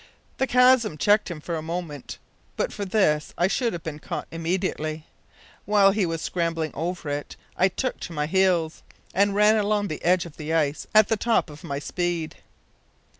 The chasm checked him for a moment. But for this I should have been caught immediately. While he was scrambling over it I took to my heels, and ran along the edge of the ice at the top of my speed.